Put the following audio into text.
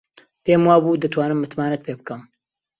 پێم وابوو دەتوانم متمانەت پێ بکەم.